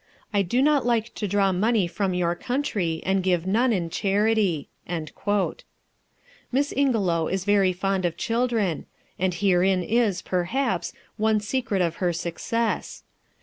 I do not like to draw money from your country, and give none in charity." Miss Ingelow is very fond of children, and herein is, perhaps, one secret of her success.